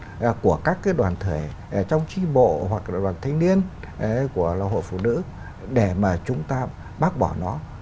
và đưa những cái thông tin của các cái đoàn thể trong trí bộ hoặc là đoàn thanh niên của lò hộ phụ nữ để mà chúng ta bác bỏ nó